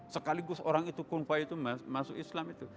sekaligus orang itu kunfai itu masuk islam itu